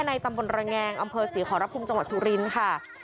ในตำบลระแงงอำเภอศรีขอรพุมจังหวัดสุรินทร์ค่ะ